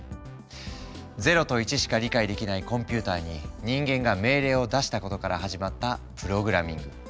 ０と１しか理解できないコンピューターに人間が命令を出したことから始まったプログラミング。